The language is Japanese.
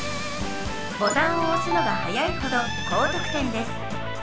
ボタンを押すのが早いほど高得点です。